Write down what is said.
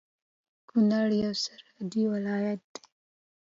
کونړ يو سرحدي ولايت دی